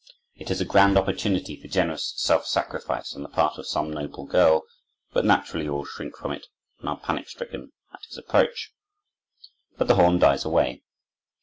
It is a grand opportunity for generous self sacrifice on the part of some noble girl; but naturally all shrink from it, and are panic stricken at his approach. But the horn dies away.